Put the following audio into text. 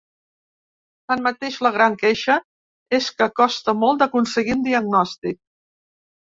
Tanmateix, la gran queixa és que costa molt d’aconseguir un diagnòstic.